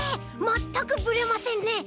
まったくブレませんね！